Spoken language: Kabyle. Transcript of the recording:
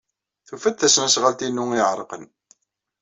Tufa-d tasnasɣalt-inu iɛerqen.